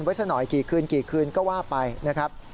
ไว้สักหน่อยกี่คืนกี่คืนก็ว่าไปนะครับ